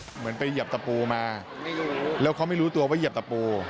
เหมือนไปเหยียบตะปูมาแล้วเขาไม่รู้ตัวว่าเหยียบตะปู